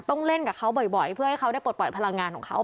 เล่นกับเขาบ่อยเพื่อให้เขาได้ปลดปล่อยพลังงานของเขา